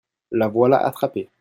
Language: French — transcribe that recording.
La voilà attrapée